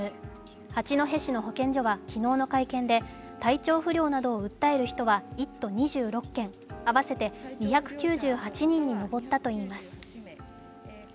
八戸市の保健所は昨日の会見で体調不良などを訴える人は１都２６県、合わせて２９８人に上ったといいます。